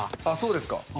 あっそうですか。